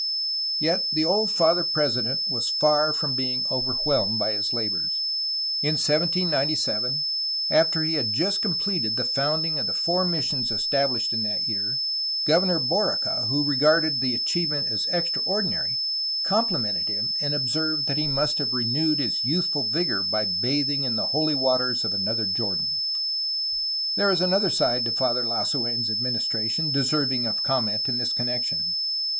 Yet, the old Father President was far from being over whelmed by his labors. In 1797, after he had just completed the founding of the four missions estabhshed in that year, Governor Borica, who regarded the achievement as extra ordinary, complimented him, and observed that he must have renewed his youthful vigor by bathing in the holy waters of another Jordan. There is another side to Father Lasu6n's administration deserving of comment in this con nection.